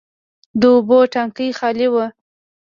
د اوبو ټانکي خالي و.